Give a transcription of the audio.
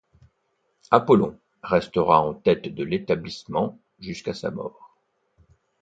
Apollon restera en tête de l’établissement jusqu'à sa mort.